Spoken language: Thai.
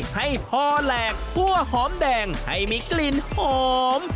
ให้พอแหลกคั่วหอมแดงให้มีกลิ่นหอม